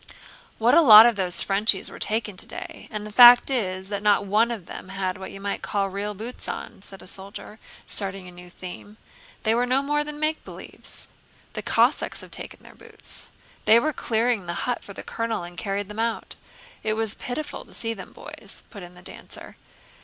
"What a lot of those Frenchies were taken today, and the fact is that not one of them had what you might call real boots on," said a soldier, starting a new theme. "They were no more than make believes." "The Cossacks have taken their boots. They were clearing the hut for the colonel and carried them out. It was pitiful to see them, boys," put in the dancer.